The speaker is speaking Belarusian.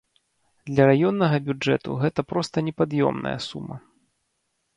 Для раённага бюджэту гэта проста непад'ёмная сума.